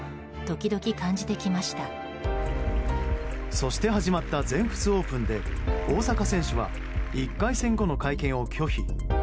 そして始まった全仏オープンで大坂選手は１回戦後の会見を拒否。